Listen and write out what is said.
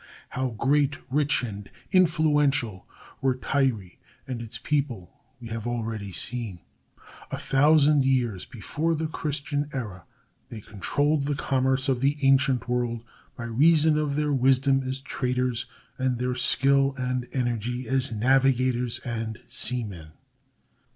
How great, rich, and influential were Tyre and its people we have already seen. A thousand years before the Christian era they controlled the commerce of the ancient world by reason of their wisdom as traders and their skill and energy as navigators and seamen.